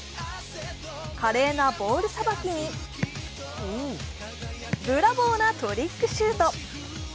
華麗なボールさばきに、ブラボーなトリックシュート。